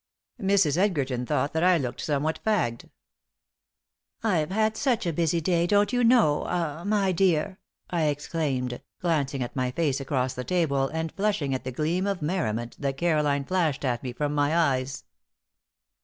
Mrs. Edgerton thought that I looked somewhat fagged. "I've had such a busy day, don't you know ah my dear," I exclaimed, glancing at my face across the table, and flushing at the gleam of merriment that Caroline flashed at me from my eyes.